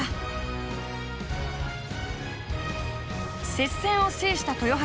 接戦を制した豊橋。